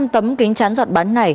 năm trăm linh tấm kính chắn giọt bắn này